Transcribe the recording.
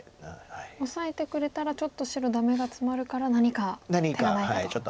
オサえてくれたらちょっと白ダメがツマるから何か手がないかと。